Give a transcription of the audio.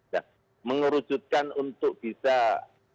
dan mengwujudkan untuk bisa menyebarkan